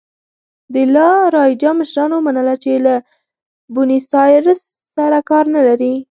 د لا رایجا مشرانو ومنله چې له بونیسایرس سره کار نه لري.